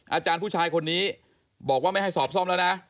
อาจารย์ผู้ชายคนนี้บอกว่าไม่ให้สอบซ่อมแล้วนะ